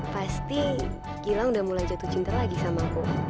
pasti gilang udah mulai jatuh cinta lagi sama aku